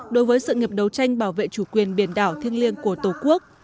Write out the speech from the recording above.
đối với sự nghiệp đấu tranh bảo vệ chủ quyền biển đảo thiêng liêng của tổ quốc